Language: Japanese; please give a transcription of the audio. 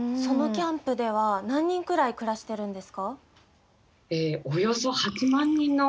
そのキャンプでは何人くらい暮らしてるんですか？